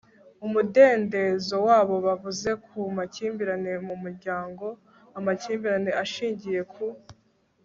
umudendezo wabo Bavuze ku makimbirane mu muryango amakimbirane ashingiye ku